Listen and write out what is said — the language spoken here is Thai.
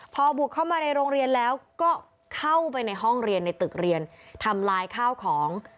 พอบุกเข้ามาในโรงเรียนแล้วก็เข้าไปในห้องเรียนในตึกเรียนทำลายข้าวของ